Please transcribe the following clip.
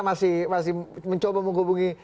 masih mencoba menghubungi